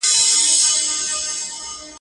د جګړې مور به سي بوره، زوی د سولي به پیدا سي.